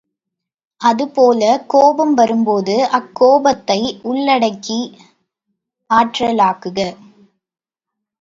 அதுபோலக் கோபம் வரும்போது அக்கோபத்தை உள்ளடக்கி ஆற்றலாக்குக!